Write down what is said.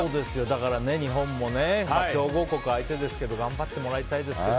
だから日本もね強豪国相手ですけど頑張ってもらいたいです。